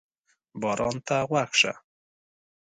باران ته غوږ شه.